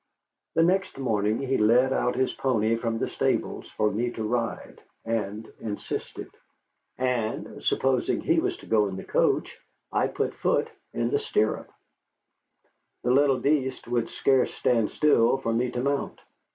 The next morning he led out his pony from the stables for me to ride, and insisted. And, supposing he was to go in the coach, I put foot in the stirrup. The little beast would scarce stand still for me to mount.